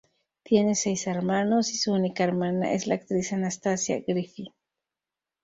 Tiene seis hermanos y su única hermana es la actriz Anastasia Griffith.